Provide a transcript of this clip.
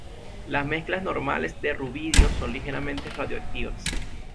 Las mezclas normales de rubidio son ligeramente radiactivas.